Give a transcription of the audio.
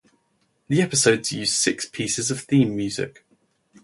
The episodes use six pieces of theme music.